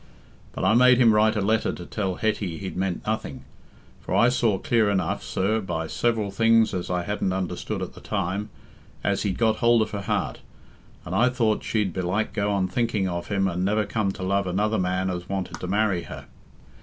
But I made him write a letter to tell Hetty he'd meant nothing, for I saw clear enough, sir, by several things as I hadn't understood at the time, as he'd got hold of her heart, and I thought she'd belike go on thinking of him and never come to love another man as wanted to marry her.